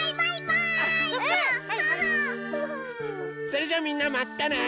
それじゃあみんなまたね！